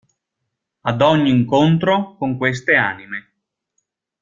Ad ogni incontro con queste anime.